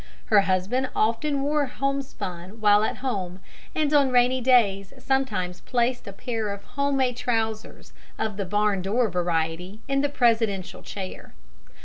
Her husband often wore homespun while at home, and on rainy days sometimes placed a pair of home made trousers of the barn door variety in the Presidential chair.